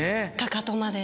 かかとまで！